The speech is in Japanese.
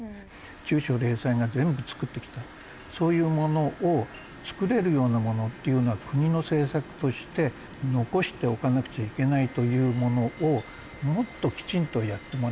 中小零細が全部作ってきたそういうものを作れるようなものっていうのは国の政策として残しておかなくちゃいけないというものをもっときちんとやってもらいたい。